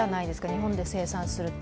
日本で生産するって。